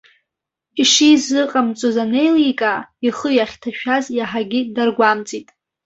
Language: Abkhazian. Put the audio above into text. Ишизыҟамҵоз анеиликаа, ихы иахьҭашәаз иаҳагьы даргәамҵит.